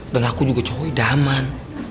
dan aku juga cowok idaman